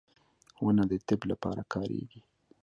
• ونه د طب لپاره کارېږي.